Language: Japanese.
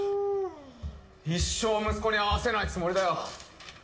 一生息子に会わせないつもりだよ！